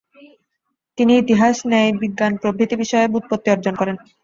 তিনি ইতিহাস, ন্যায়, বিজ্ঞান প্রভৃতি বিষয়ে ব্যুৎপত্তি অর্জন করেন।